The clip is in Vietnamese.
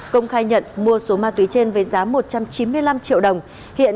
công khai nhận mua số ma túy trên với giá một trăm linh